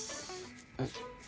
えっ？